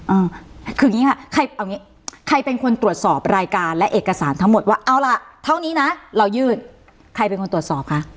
เอาคืออย่างนี้ค่ะใครเอางี้ใครเป็นคนตรวจสอบรายการและเอกสารทั้งหมดว่าเอาล่ะเท่านี้นะเรายื่นใครเป็นคนตรวจสอบคะ